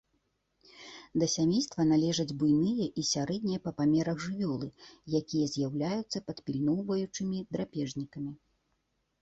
Да сямейства належаць буйныя і сярэднія па памерах жывёлы, якія з'яўляюцца падпільноўваючымі драпежнікамі.